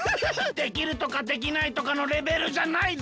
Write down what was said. できるとかできないとかのレベルじゃないぜ！